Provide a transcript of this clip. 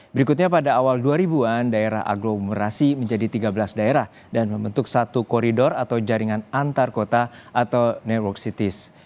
berikutnya pada awal dua ribu an daerah aglomerasi menjadi tiga belas daerah dan membentuk satu koridor atau jaringan antar kota atau new work cities